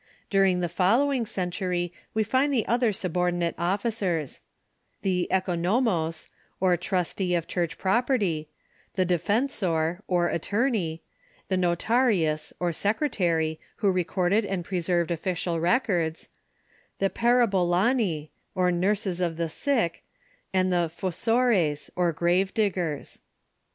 During the following century we find the other subordinate officers : the economos, or trustee of church prop erty ; the defensor, or attorney ; the notarlus, or secretarj', who recorded and preserved official records ; the 2^'^^'^^'(i^olani, or nurses of the sick ; and the fossores, or grave diggers.